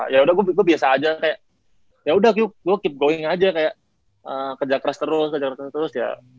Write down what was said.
ya udah gue biasa aja kayak yaudah gue keep going aja kayak kerja keras terus kerja keras terus ya